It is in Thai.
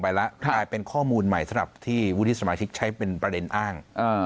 กลายเป็นข้อมูลใหม่สำหรับที่วุฒิสมาชิกใช้เป็นประเด็นอ้าง